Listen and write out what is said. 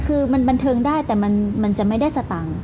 คือมันบันเทิงได้แต่มันจะไม่ได้สตังค์